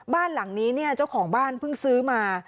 บ้านหลังนี้เนี่ยเจ้าของบ้านเพิ่งซื้อมา